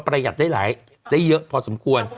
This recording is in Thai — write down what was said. ประหยัดได้หลายได้เยอะพอสมควร